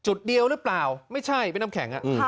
จุดเดียวหรือเปล่าไม่ใช่พี่น้ำแข็ง